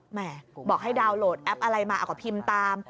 แหมบอกให้ดาวน์โหลดแอปอะไรมาเอาก็พิมพ์ตาม